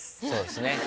そうですね。